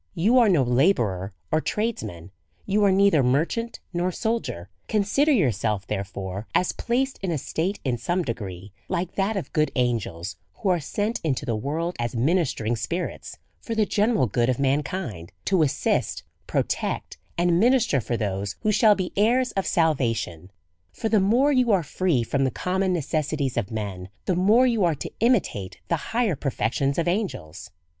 You are no labourer or tradesman, you are neither merchant nor soldier; consider yourself, therefore, as placed in a state, in some degree, like that of good angels, who are sent into the world as ministering spirits for the .general good of mankind, to assist, pro tect, and minister for those who shall be heirs of sal vation. For the more you are free from the common necessities of men, the more you are to imitate the higher perfections of angels.